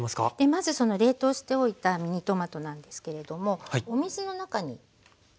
まずその冷凍しておいたミニトマトなんですけれどもお水の中につけます。